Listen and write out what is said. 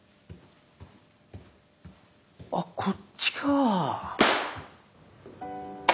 あっこっちか。